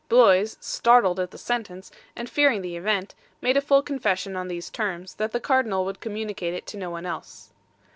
Bloise, startled at the sentence, and fearing the event, made a full confession on these terms, that the Cardinal would communicate it to no one else.